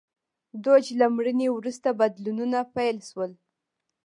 دوج له مړینې وروسته بدلونونه پیل شول.